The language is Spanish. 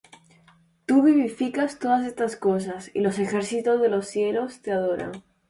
tú vivificas todas estas cosas, y los ejércitos de los cielos te adoran.